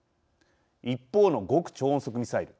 一方の極超音速ミサイル。